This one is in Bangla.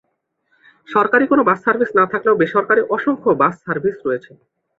সরকারি কোনো বাস সার্ভিস না থাকলেও বেসরকারি অসংখ্য বাস সার্ভিস রয়েছে।